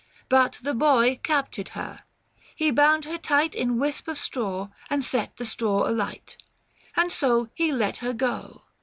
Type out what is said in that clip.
But the boy captured her ; he bound her tight In wisp of straw, and set the straw alight, And so he let her go.